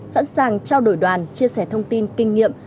sẵn sàng trao đổi đoàn chia sẻ thông tin kinh nghiệm